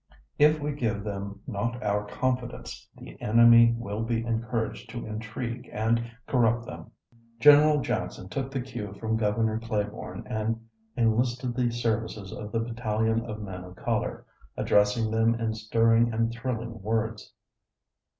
If we give them not our confidence, the enemy will be encouraged to intrigue and corrupt them." General Jackson took the cue from Governor Claiborne and enlisted the services of the battalion of men of color, addressing them in stirring and thrilling words.